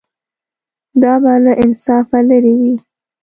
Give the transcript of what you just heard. دا به له انصافه لرې وي.